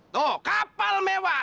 tuh kapal mewah